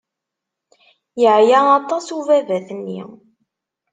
Yeɛya aṭas ubabat-nni.